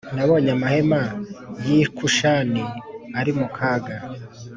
Nabonye amahema y i Kushani ari mu kaga